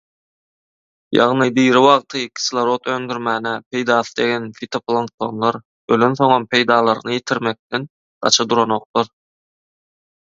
Ýagny diri wagty kislorod öndürmäne peýdasy degen fitoplanktonlar ölensoňam peýdalaryny ýetirmekden gaça duranoklar